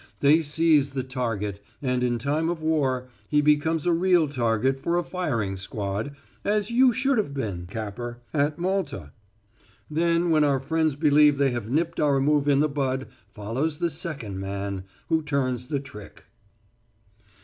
They seize the 'target,' and in time of war he becomes a real target for a firing squad, as you should have been, Capper, at Malta. Then when our friends believe they have nipped our move in the bud follows the second man who turns the trick."